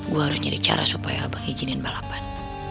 gua harus nyari cara supaya abah ngijinin balapan